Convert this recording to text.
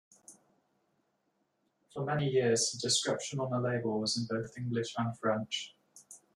For many years the description on the label was in both English and French.